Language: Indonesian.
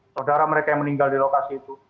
saudara mereka yang meninggal di lokasi itu